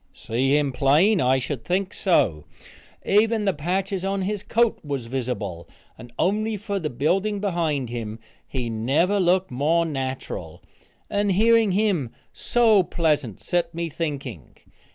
See him plain! I should think so. Even the patches on his coat was visible, and only for the building behind him, he never looked more natural, and hearing him so pleasant, set me thinking.